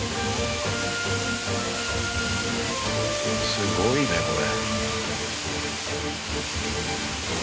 すごいねこれ。